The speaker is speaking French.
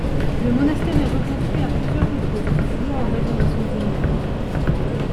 Le monastère est reconstruit à plusieurs reprises, toujours en raison d'incendies nombreux.